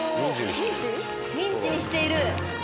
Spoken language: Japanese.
ミンチにしている。